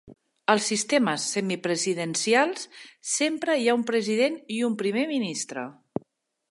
En sistemes semipresidencials, sempre hi ha un president i un primer ministre.